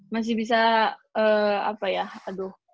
masih bisa apa ya aduh